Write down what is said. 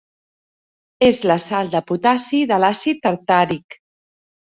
És la sal de potassi de l'àcid tartàric.